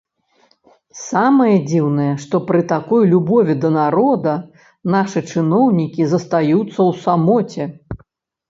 Самае дзіўнае, што пры такой любові да народа нашы чыноўнікі застаюцца ў самоце.